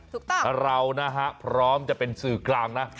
เรานะฮะพร้อมจะเป็นสื่อกลางนะ